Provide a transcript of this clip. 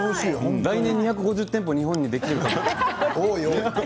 来年２５０店舗日本にできるかな？